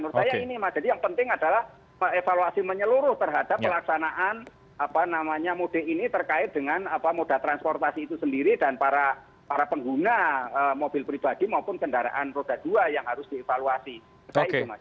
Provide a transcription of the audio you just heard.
menurut saya ini mas jadi yang penting adalah evaluasi menyeluruh terhadap pelaksanaan apa namanya mudik ini terkait dengan moda transportasi itu sendiri dan para pengguna mobil pribadi maupun kendaraan roda dua yang harus dievaluasi